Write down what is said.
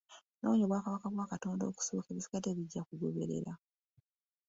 Noonya obwakabaka bwa Katonda okusooka, ebisigadde bijja kugoberera.